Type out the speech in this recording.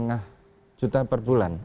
jadi itu adalah per bulan